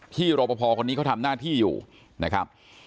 ที่โรปพอร์คนนี้เขาทำหน้าที่อยู่นะครับ